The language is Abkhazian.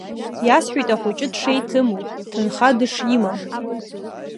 Иасҳәеит ахәыҷы дшеиҭыму, ҭынха дышимам.